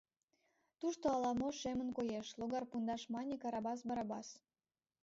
— Тушто ала-мо шемын коеш, — логар пундаш мане Карабас Барабас.